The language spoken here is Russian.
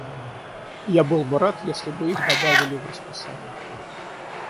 Я был бы рад, если бы их добавили в расписание.